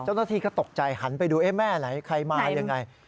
เจ้าหน้าที่ก็ตกใจหันไปดูแม่ไหนใครมายังไง